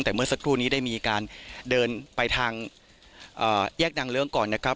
แต่เมื่อสักครู่นี้ได้มีการเดินไปทางแยกนางเลิ้งก่อนนะครับ